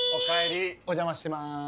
お邪魔してます。